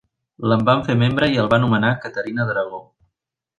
L'en van fer membre i el va nomenar Caterina d'Aragó.